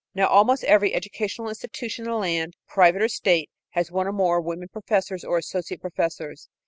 Now almost every educational institution in the land, private or state, has one or more women professors or associate professors.